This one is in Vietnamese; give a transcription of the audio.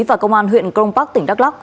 và công an huyện công park tỉnh đắk lắk